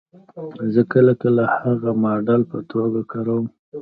زه کله کله هغه د ماډل په توګه کاروم